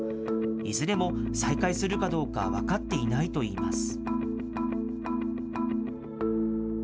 いずれも再開するかどうか分かっていないといいます。